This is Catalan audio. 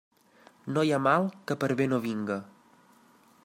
No hi ha mal que per bé no vinga.